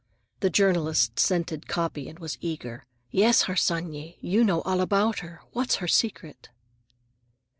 The journalist scented copy and was eager. "Yes, Harsanyi. You know all about her. What's her secret?"